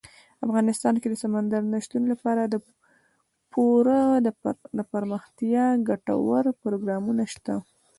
افغانستان کې د سمندر نه شتون لپاره پوره دپرمختیا ګټور پروګرامونه شته دي.